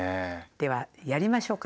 ではやりましょうか。